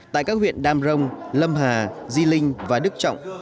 tại các huyện đam rồng lâm hà di linh và đức trọng